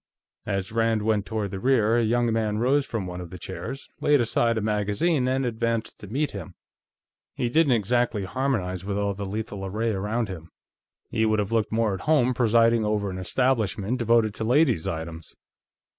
As Rand went toward the rear, a young man rose from one of the chairs, laid aside a magazine, and advanced to meet him. He didn't exactly harmonize with all the lethal array around him; he would have looked more at home presiding over an establishment devoted to ladies' items.